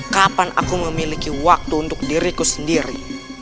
kapan aku memiliki waktu untuk diriku sendiri